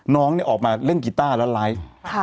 น้องเนี่ยออกมาเล่นกีต้าร์แล้วไลฟ์